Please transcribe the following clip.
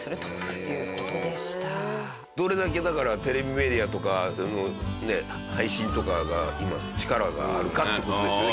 どれだけだからテレビメディアとかの。配信とかが今力があるかっていう事ですよね。